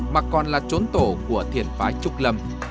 mà còn là trốn tổ của thiền phái trúc lâm